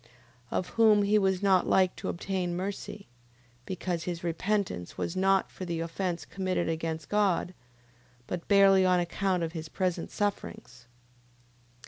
Of whom he was not like to obtain mercy... Because his repentance was not for the offence committed against God: but barely on account of his present sufferings.